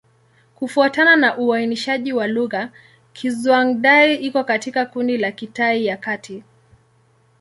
Kufuatana na uainishaji wa lugha, Kizhuang-Dai iko katika kundi la Kitai ya Kati.